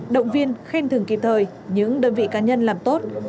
động viên khen thưởng kịp thời những đơn vị cá nhân làm tốt